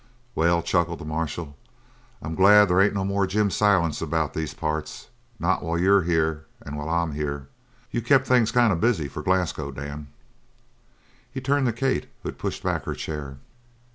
"Well," chuckled the marshal, "I'm glad they ain't no more Jim Silents about these parts not while you're here and while I'm here. You kept things kind of busy for Glasgow, Dan." He turned to Kate, who had pushed back her chair.